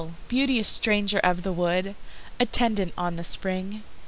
beauteous Stranger of the wood! Attendant on the Spring!